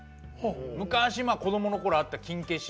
昔、子どものころあったキン消し。